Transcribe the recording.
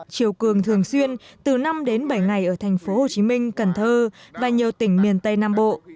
chiều cường thường xuyên từ năm đến bảy ngày ở thành phố hồ chí minh cần thơ và nhiều tỉnh miền tây nam bộ